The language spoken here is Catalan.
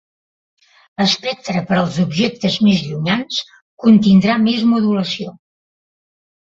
L'espectre per als objectes més llunyans contindrà més modulació.